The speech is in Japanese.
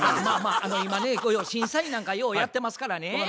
まあまあ今ね審査員なんかようやってますからね。